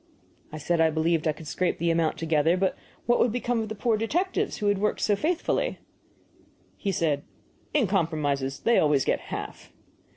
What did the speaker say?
I said I believed I could scrape the amount together, but what would become of the poor detectives who had worked so faithfully? He said: "In compromises they always get half."